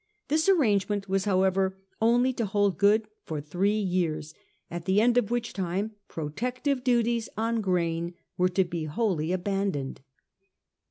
This arrangement was, however, only to hold good for three years, at the end of which time protective duties on grain were to be wholly abandoned.